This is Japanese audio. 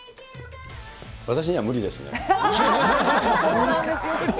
私には無理ですね。